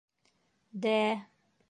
Дә-ә!..